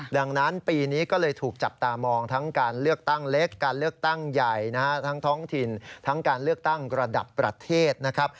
ดังนั้นปีนี้ก็เลยถูกจับตามองทั้งการเลือกตั้งเล็กการเลือกตั้งใหญ่ทั้งท้องถิ่นทั้งการเลือกตั้งระดับประเทศนะครับ